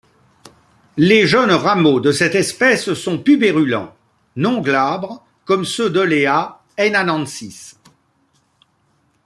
Les jeunes rameaux de cette espèce sont pubérulents, non glabres comme ceux d'Olea hainanensis.